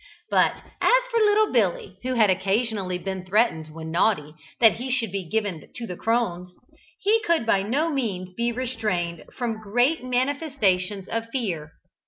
But, as for little Billy, who had occasionally been threatened, when naughty, that he should be given to the crones, he could by no means be restrained from great manifestations of fear.